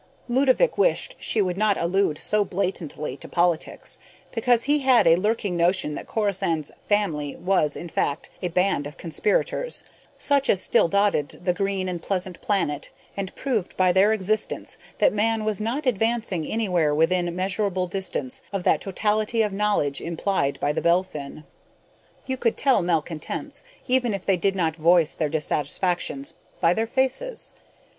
Ludovick wished she would not allude so blatantly to politics, because he had a lurking notion that Corisande's "family" was, in fact, a band of conspirators ... such as still dotted the green and pleasant planet and proved by their existence that Man was not advancing anywhere within measurable distance of that totality of knowledge implied by the Belphin. You could tell malcontents, even if they did not voice their dissatisfactions, by their faces.